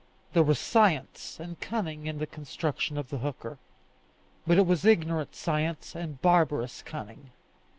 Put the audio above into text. There was science and cunning in the construction of the hooker, but it was ignorant science and barbarous cunning.